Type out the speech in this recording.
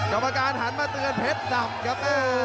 กรรมการหันมาเตือนเพชรดำครับ